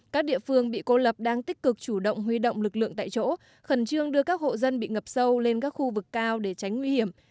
các địa phương bị cô lập đang tích cực chủ động huy động lực lượng tại chỗ khẩn trương đưa các hộ dân bị ngập sâu lên các khu vực cao để tránh nguy hiểm